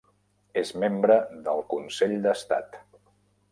És membre del Consell d'Estat.